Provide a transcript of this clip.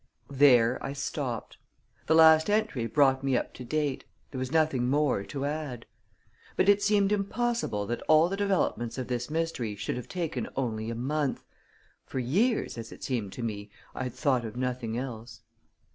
There I stopped. The last entry brought me up to date there was nothing more to add. But it seemed impossible that all the developments of this mystery should have taken only a month. For years, as it seemed to me, I had thought of nothing else.